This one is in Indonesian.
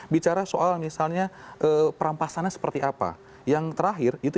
bicara soal misalnya perampasannya seperti apa bagaimana aset dibekukan jangan sampai dieksekusi di luar negeri dan lain sebagainya